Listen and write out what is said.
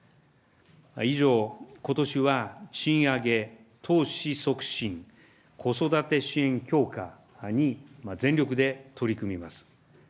以上、ことしは賃上げ、投資促進、子育て支援強化に全力で取り組みます。